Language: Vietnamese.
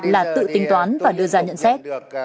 là tự tính toán và đưa ra nhận xét